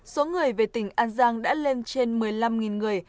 số người về tỉnh an giang đã lên trên một mươi năm người